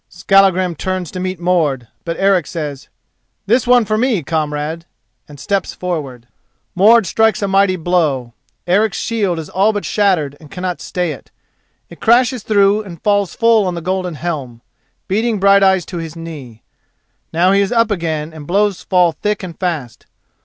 Skallagrim turns to meet Mord, but Eric says:— "This one for me, comrade," and steps forward. Mord strikes a mighty blow. Eric's shield is all shattered and cannot stay it. It crashes through and falls full on the golden helm, beating Brighteyes to his knee. Now he is up again and blows fall thick and fast.